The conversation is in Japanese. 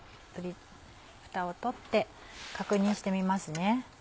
ふたを取って確認してみますね。